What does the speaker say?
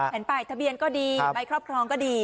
แผ่นป้ายทะเบียนก็ดีใบครอบครองก็ดี